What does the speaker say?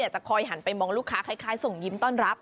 จะคอยหันไปมองลูกค้าคล้ายส่งยิ้มต้อนรับ